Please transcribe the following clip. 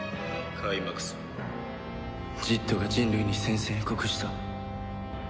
ジットが人類に宣戦布告した。